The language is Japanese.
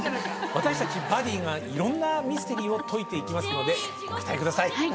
私たちバディがいろんなミステリーを解いていきますのでご期待ください。